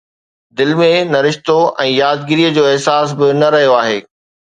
دل ۾ ته رشتو ۽ يادگيريءَ جو احساس به نه رهيو آهي